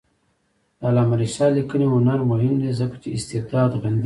د علامه رشاد لیکنی هنر مهم دی ځکه چې استبداد غندي.